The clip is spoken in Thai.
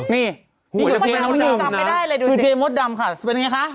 นี่หัวเทน้ำหนึ่งนะคือเจมส์ดำค่ะเป็นอย่างไรคะ